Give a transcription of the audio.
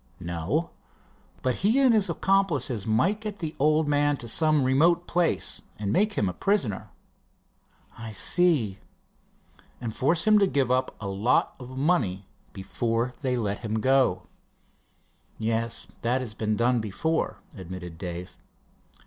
"No, but he and his accomplices might get the old man to some remote place and make him a prisoner." "And force him to give up a lot of money before they let him go." "Yes, that has been done before," admitted Dave.